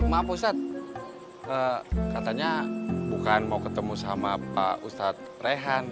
maaf pusat katanya bukan mau ketemu sama pak ustadz rehan